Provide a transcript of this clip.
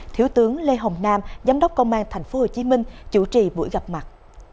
thiếu tướng lê hồng nam giám đốc công an tp hcm chủ trì buổi gặp mặt